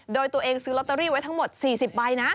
โดยตัวเองซื้อลอตเตอรี่ไว้ทั้งหมด๔๐ใบนะ